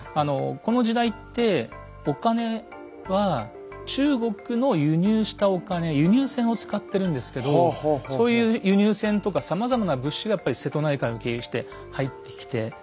この時代ってお金は中国の輸入したお金「輸入銭」を使ってるんですけどそういう輸入銭とかさまざまな物資がやっぱり瀬戸内海を経由して入ってきて。